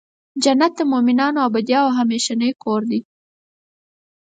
جنت د مؤمنانو ابدې او همیشنی کور دی .